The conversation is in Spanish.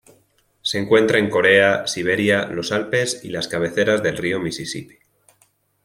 Se encuentra en Corea, Siberia, los Alpes y las cabeceras del río Mississippi.